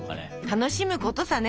楽しむことさね